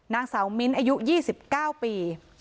นางสาวมิ้นท์อายุ๒๙ปี